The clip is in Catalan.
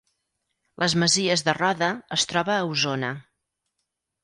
Les Masies de Roda es troba a Osona